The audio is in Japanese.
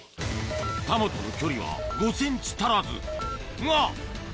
タモとの距離は５ｃｍ足らずが！